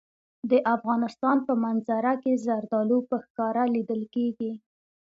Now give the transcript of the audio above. د افغانستان په منظره کې زردالو په ښکاره لیدل کېږي.